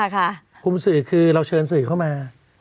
คุมสื่อคือเราเชิญสื่อเข้ามา